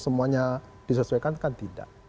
semuanya disesuaikan kan tidak